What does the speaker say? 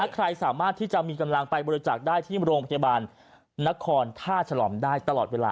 ใครสามารถที่จะมีกำลังไปบริจาคได้ที่โรงพยาบาลนครท่าฉลอมได้ตลอดเวลา